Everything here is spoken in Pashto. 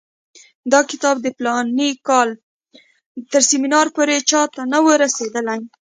دا کتاب د فلاني کال تر سیمینار پورې چا ته نه وو رسېدلی.